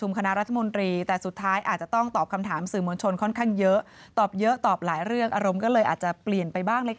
มันถามคนทั่วไปเรื่อย